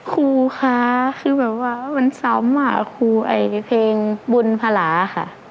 ครูคะคือแบบว่ามันซ้ำอ่ะครูไอ้เพลงบุญภาระค่ะ